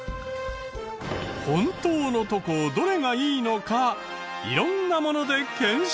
本当のとこどれがいいのか色んなもので検証。